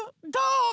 どう？